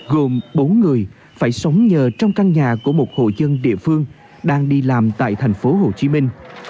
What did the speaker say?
gồm bốn người phải sống nhờ trong căn nhà của một hộ dân địa phương đang đi làm tại thành phố hồ chí minh